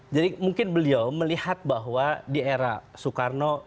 jadi mungkin beliau melihat bahwa di era soekarno